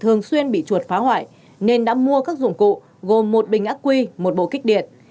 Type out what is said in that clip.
thường xuyên bị chuột phá hoại nên đã mua các dụng cụ gồm một bình ác quy một bộ kích điện